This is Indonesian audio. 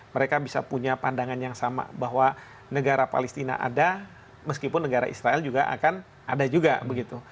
mereka bisa punya pandangan yang sama bahwa negara palestina ada meskipun negara israel juga akan ada juga begitu